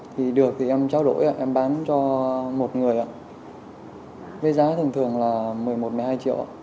thì được thì em trao đổi em bán cho một người ạ với giá thường thường là một mươi một một mươi hai triệu